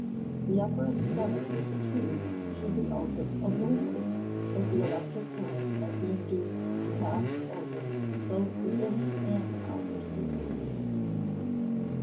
The upper extremity of the tube should be open obliquely, that the electric current might be induced to pass over both the inner and outer surfaces.